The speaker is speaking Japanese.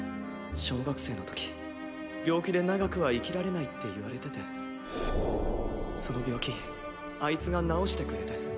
小学生のとき病気で長くは生きられないって言われててその病気あいつが治してくれて。